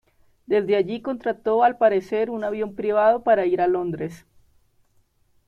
Desde allí contrató al parecer un avión privado para ir a Londres.